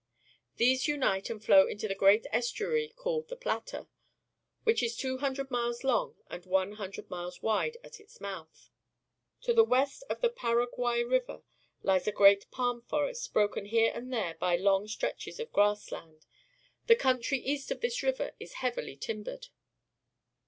These unite and flow into the great estuary called the Plata, which is two hundred miles long and one hundred miles wide at its mouth. To the west of the Paraguay River lies a great palm forest, broken here and there by long stretches of grass land. The country east of this river is heavily timbered.